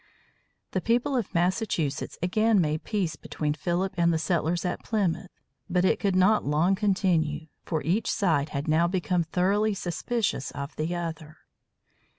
The people of Massachusetts again made peace between Philip and the settlers at Plymouth. But it could not long continue, for each side had now become thoroughly suspicious of the other.